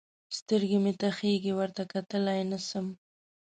سترګې مې تخېږي؛ ورته کتلای نه سم.